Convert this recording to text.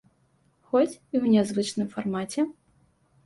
Хоць і ў нязвычным фармаце.